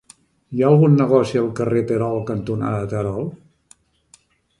Hi ha algun negoci al carrer Terol cantonada Terol?